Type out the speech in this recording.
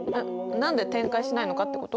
何で展開しないのかってこと？